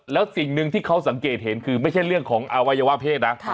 แล้วสิ่งหนึ่งที่เขาสังเกตเห็นคือไม่ใช่เรื่องของอวัยวะเพศนะ